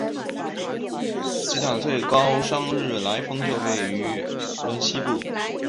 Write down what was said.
吉打最高山日莱峰就位于莪仑西部。